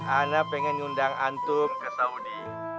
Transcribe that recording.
ana pengen undang antum ke saudi